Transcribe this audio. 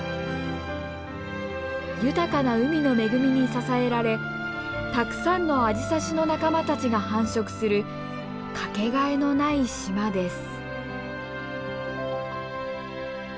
豊かな海の恵みに支えられたくさんのアジサシの仲間たちが繁殖するかけがえのない島です。